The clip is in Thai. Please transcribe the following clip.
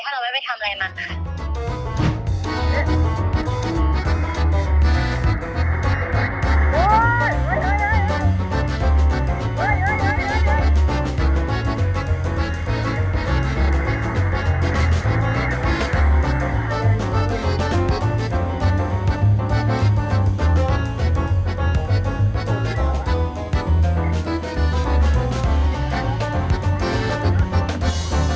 เราไม่ไปทำอะไรมันค่ะ